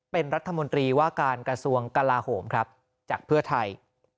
เป็นรัฐมนตรีว่าการกระทรวงกลาโหมครับจากเพื่อไทย